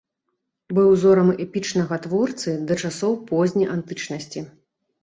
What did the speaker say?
Быў узорам эпічнага творцы да часоў позняй антычнасці.